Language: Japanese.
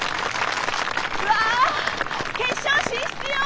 うわあ決勝進出よ！